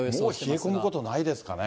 もう冷え込むことないですかね。